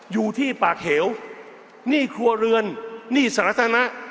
อยู่ที่ปากเหวหนี้ครัวเรือนหนี้สาธารณะ